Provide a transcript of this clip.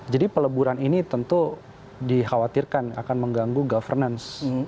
jadi peleburan ini tentu dikhawatirkan akan mengganggu governance